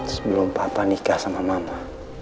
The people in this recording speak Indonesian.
sebelum papa nikah sama mama